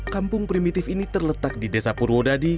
kampung primitif ini terletak di desa purwodadi